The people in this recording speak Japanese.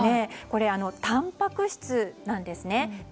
これはたんぱく質なんですね。